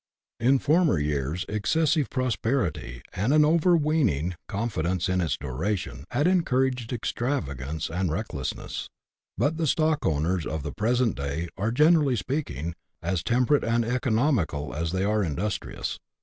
In former years excessive prosperity, and an overweening con CHAP. III.] PKOSPECTS OF IMPROVEMENT. 31 fidence in its duration, had encouraged extravagance and reck lessness; but the stock owners of the present day are, generally speaking, as temperate and economical as they are industrious.